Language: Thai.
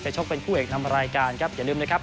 ชกเป็นคู่เอกนำรายการครับอย่าลืมนะครับ